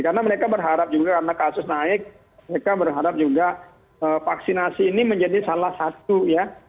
karena mereka berharap juga karena kasus naik mereka berharap juga vaksinasi ini menjadi salah satu ya